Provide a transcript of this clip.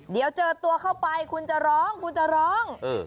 เดี๋ยวเจอตัวเข้าไปคุณจะร้องคุณจะร้อง